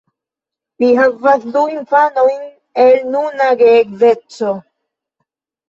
Li havas du infanojn el nuna geedzeco.